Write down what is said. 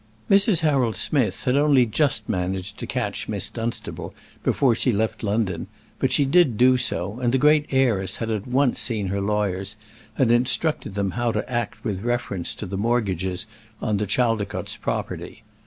Mrs. Harold Smith had only just managed to catch Miss Dunstable before she left London; but she did do so, and the great heiress had at once seen her lawyers, and instructed them how to act with reference to the mortgages on the Chaldicotes property.